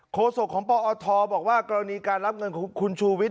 โคโศคของบอกว่ากรณีการรับเงินของคุณชูวิทธิ์